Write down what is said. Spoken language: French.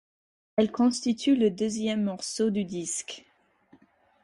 Elle constitue le deuxième morceau du disque.